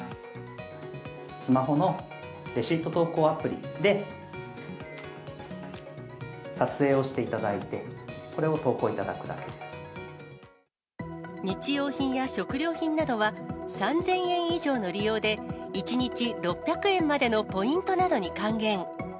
スマホのレシート投稿アプリで撮影をしていただいて、日用品や食料品などは３０００円以上の利用で、１日６００円までのポイントなどに還元。